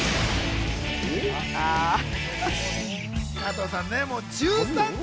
加藤さんねもう１３年